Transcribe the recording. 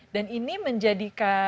dan ini menjadikan apa ya